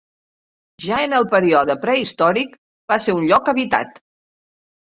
Ja en el període prehistòric va ser un lloc habitat.